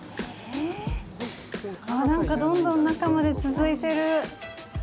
あぁ、なんか、どんどん中まで続いてる。